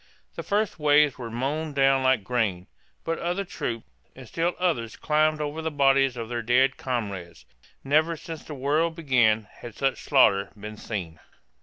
The first waves were mown down like grain; but other troops, and still others climbed over the bodies of their dead comrades. Never since the world began had such slaughter been seen.